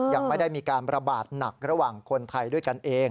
ยังไม่ได้มีการระบาดหนักระหว่างคนไทยด้วยกันเอง